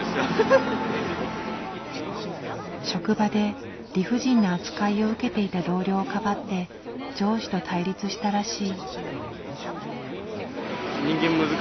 職場で理不尽な扱いを受けていた同僚をかばって上司と対立したらしい。